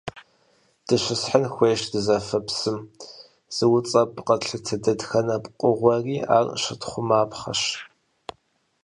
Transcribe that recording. Дыщысхьын хуейщ дызэфэ псым, зыуцӀэпӀу къэтлъытэ дэтхэнэ пкъыгъуэми ар щытхъумапхъэщ.